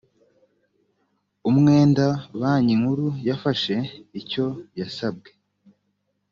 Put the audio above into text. umwenda banki nkuru yafashe icyo yasabwe